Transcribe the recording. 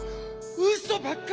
うそばっかり！